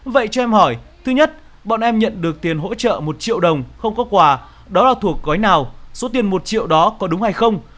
vậy cho em hỏi thứ nhất bọn em nhận được tiền hỗ trợ một triệu đồng không có quà đó là thuộc gói nào số tiền một triệu đó có đúng hay không